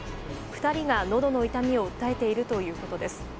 ２人が、のどの痛みを訴えているということです。